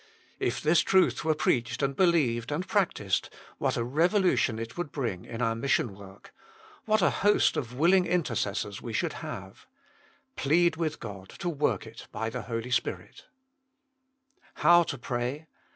If this truth were preached and believed and practised, what a revolution it would bring in our mission work. What a host of willing intercessors we should have. Plead with God to work it by the Holy Spirit. HOW TO PKAY.